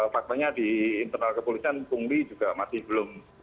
faktanya di internal kepolisian pungli juga masih belum